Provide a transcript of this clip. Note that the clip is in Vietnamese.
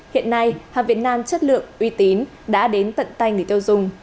hiện nay hàng việt nam chất lượng uy tín đã đến tận tay người tiêu dùng